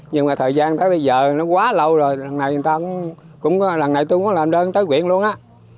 nhưng mà thời gian tới bây giờ nó quá lâu rồi lần này tôi cũng có làm đơn tới quyền luôn á